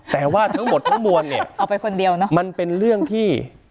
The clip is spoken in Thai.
แต่ว่าทั้งหมดทั้งมวลเนี่ยมันเป็นเรื่องที่